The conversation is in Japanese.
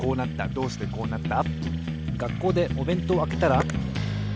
どうしてこうなった？